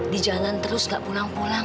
di jalan terus gak pulang pulang